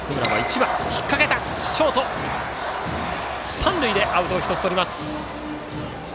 三塁でアウトを１つとります。